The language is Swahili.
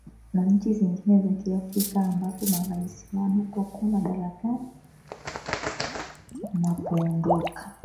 na nchi zingine za kiafrika ambapo marais wanapokuwa madarakani wamapoondoka